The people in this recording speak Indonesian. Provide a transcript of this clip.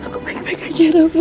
aku baik baik saja rama